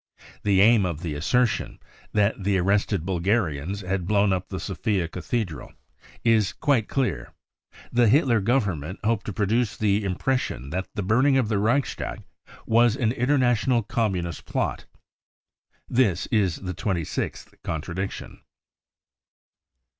The aim of the assertion— that the arrested Bulgarians had blown up the Sofia cathedral — is quite clear. The Hitler government hoped to produce the impression that the burning of the Reichstag was an international Com munist plot. This is the twenty sixth contradiction.